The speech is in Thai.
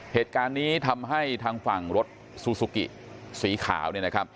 เหตุการณ์นี้ทำให้ทางฝั่งรถซูซูกิสีขาว